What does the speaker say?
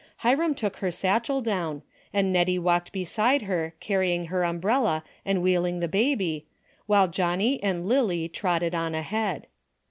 Hiram took her satchel down, and Nettie walked beside her carrying her umbrella and wheeling the baby, while Johnnie and Lily trotted on ahead.